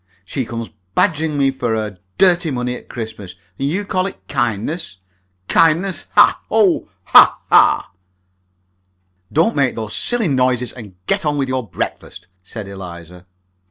She comes badgering me for her dirty money at Christmas, and you call it 'kindness!' Kindness! Hah! Oh, hah, hah!" "Don't make those silly noises, and get on with your breakfast!" said Eliza.